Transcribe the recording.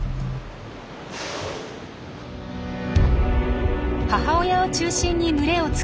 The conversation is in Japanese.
母親を中心に群れを作るシャチ。